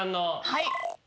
はい。